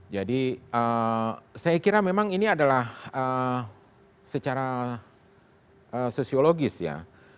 jadi saya kira memang ini adalah secara sosiologis ya